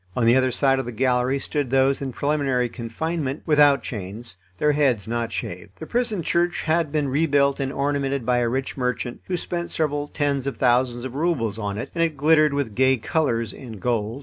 On the other side of the gallery stood those in preliminary confinement, without chains, their heads not shaved. The prison church had been rebuilt and ornamented by a rich merchant, who spent several tens of thousands of roubles on it, and it glittered with gay colours and gold.